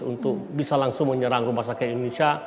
untuk bisa langsung menyerang rumah sakit indonesia